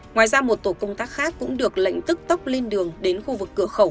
ngoài ra một tổ công tác khác cũng được lệnh tức tốc lên đường đến khu vực cửa khẩu